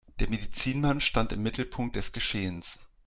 Der Medizinmann stand im Mittelpunkt des Geschehens.